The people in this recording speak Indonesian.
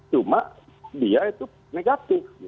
cuma dia itu negatif